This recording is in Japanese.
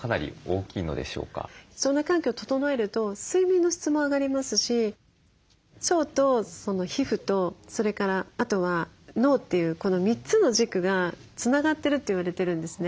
腸内環境を整えると睡眠の質も上がりますし腸と皮膚とそれからあとは脳というこの３つの軸がつながってるって言われてるんですね。